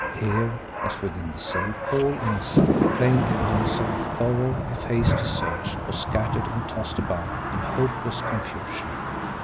Here, as within the safe, all inside, plain evidence of thorough, if hasty, search, was scattered and tossed about in hopeless confusion.